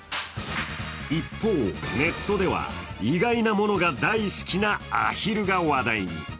一方、ネットでは意外なものが大好きなアヒルが話題に。